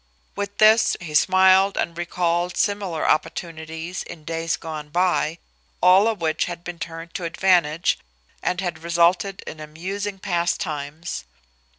With this, he smiled and recalled similar opportunities in days gone by, all of which had been turned to advantage and had resulted in amusing pastimes.